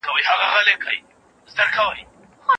بهرنی سیاست د هیواد لپاره ګټوري مادي او مالي پانګونې جذبوي.